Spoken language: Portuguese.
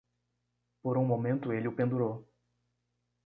Por um momento ele o pendurou.